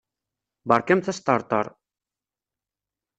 Berkamt asṭerṭer!